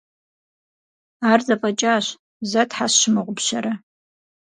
Ар зэфӏэкӏащ, зэ тхьэ сщымыгъупщэрэ?